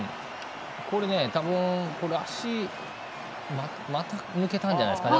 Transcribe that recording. これ、たぶん足、股抜けたんじゃないですか。